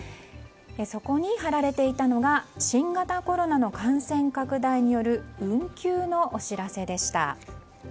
そこに貼られていたのが新型コロナの感染拡大による運休のお知らせでした。